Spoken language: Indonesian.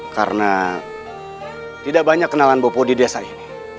karena tidak banyak kenalan bopo di desa ini